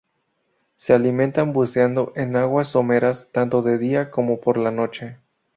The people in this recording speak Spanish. Se alimentan buceando en aguas someras tanto de día como por la noche.